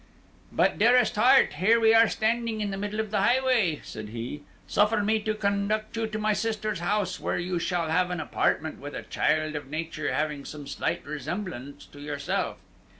"But, dearest heart, here we are standing in the middle of the highway," said he; "suffer me to conduct you to my sister's house, where you shall have an apartment with a child of nature having some slight resemblance to yourself."